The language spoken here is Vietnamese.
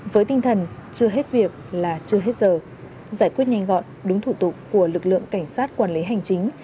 với tinh thần chưa hết việc là chưa hết giờ giải quyết nhanh gọn đúng thủ tục của lực lượng cảnh sát quản lý hành chính